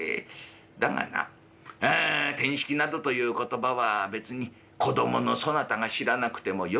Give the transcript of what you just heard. だがなう転失気などという言葉は別に子供のそなたが知らなくてもよい言葉でな」。